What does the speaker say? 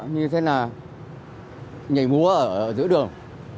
như thế là nhảy múa ở giữa đường